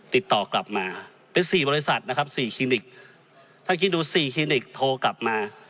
ติดต่อกลับมาเป็นสี่บริษัทนะครับสี่คลินิกถ้าคิดดูสี่คลินิกโทรกลับมา